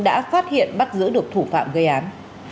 đã phát hiện bắt giữ được thủ phạm gây án